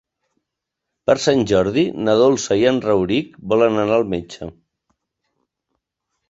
Per Sant Jordi na Dolça i en Rauric volen anar al metge.